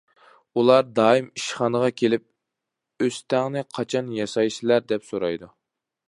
ئۇلار دائىم ئىشخانىغا كېلىپ، ئۆستەڭنى قاچان ياسايسىلەر، دەپ سورايدۇ.